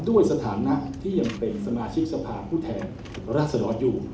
ด้วยสถานะที่ยังเป็นสมาชิกสภาพผู้แทนรัศดรอยู่